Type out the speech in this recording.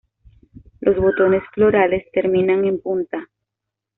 Los botones florales terminan en punta.